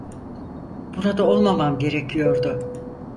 Burada olmaman gerekiyordu.